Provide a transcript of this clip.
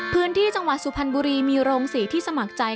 พื้นที่จังหวัดสุพรรณบุรีมีโรงศรีที่สมัครใจ